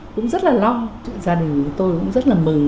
cũng rất là long gia đình tôi cũng rất là mừng